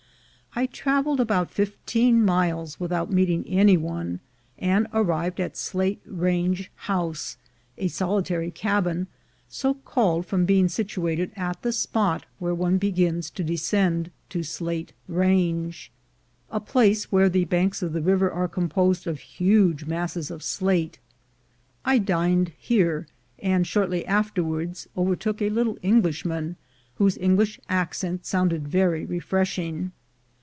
I traveled about fifteen miles without meeting any one, and arrived at Slate Range House, a solitary cabin, so called from being situated at the spot where one begins to descend to Slate Range, a place where the banks of the river are composed of huge masses of slate. I dined here, and shortly afterwards overtook a little Englishman, whose English accent sounded very re freshing.